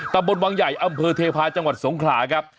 ตำบลวังใหญ่อำเภอเทพาะจังหวัดสงขลาครับ